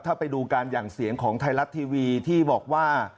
ถ้าไปดูการหยั่งเสียงของไทยรัฐทีวีที่บอกว่า